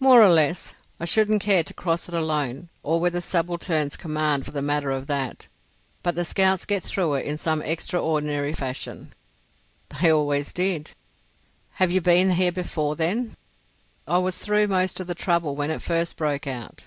"More or less. I shouldn't care to cross it alone, or with a subaltern's command for the matter of that, but the scouts get through it in some extraordinary fashion." "They always did." "Have you been here before, then?" "I was through most of the trouble when it first broke out."